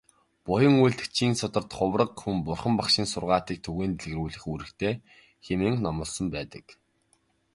Буян үйлдэгчийн сударт "Хувраг хүн Бурхан багшийн сургаалыг түгээн дэлгэрүүлэх үүрэгтэй" хэмээн номлосон байдаг.